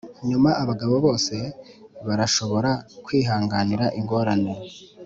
nyuma abagabo bose barashobora kwihanganira ingorane,